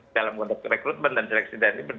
dalam konteks rekrutmen dan seleksi tni